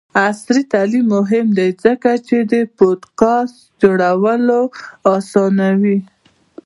عصري تعلیم مهم دی ځکه چې د پوډکاسټ جوړولو اسانوي.